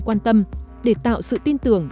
quan tâm để tạo sự tin tưởng